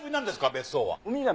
別荘は。